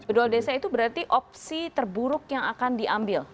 dual desa itu berarti opsi terburuk yang akan diambil